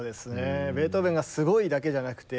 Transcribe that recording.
ベートーベンがすごいだけじゃなくて